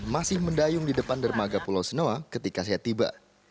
masih mendayung di depan dermaga pulau senoa ketika saya tiba